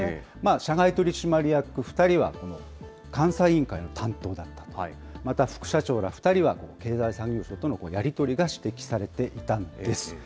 社外取締役２人は監査委員会の担当だったと、また副社長ら２人は経済産業省とのやり取りが指摘されていたんです。